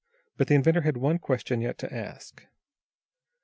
But the inventor had one question yet to ask.